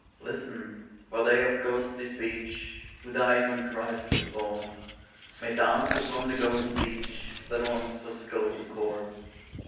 Listen, for they of ghostly speech, Who died when Christ was born, May dance upon the golden beach That once was golden corn.